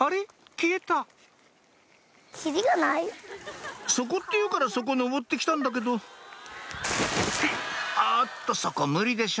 消えた「そこ」って言うからそこ上って来たんだけどおっとそこ無理でしょ